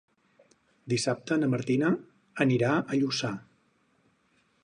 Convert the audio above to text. Dissabte na Martina anirà a Lluçà.